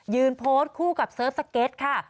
โพสต์คู่กับเสิร์ฟสเก็ตค่ะ